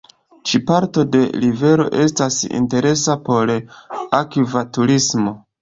Ĉi parto de rivero estas interesa por akva turismo.